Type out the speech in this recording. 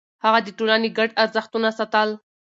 هغه د ټولنې ګډ ارزښتونه ساتل.